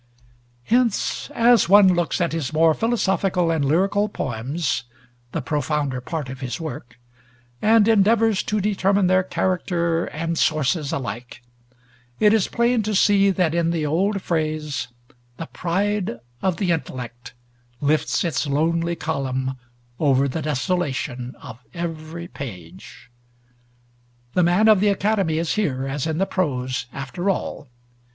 Hence, as one looks at his more philosophical and lyrical poems the profounder part of his work and endeavors to determine their character and sources alike, it is plain to see that in the old phrase, "the pride of the intellect" lifts its lonely column over the desolation of every page. The man of the academy is here, as in the prose, after all.